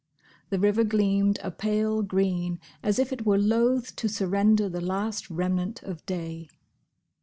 The river gleamed a pale green, as if it were loath to surrender the last remnant of day.